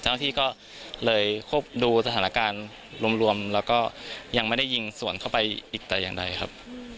เจ้าหน้าที่ก็เลยควบดูสถานการณ์รวมแล้วก็ยังไม่ได้ยิงสวนเข้าไปอีกแต่อย่างใดครับ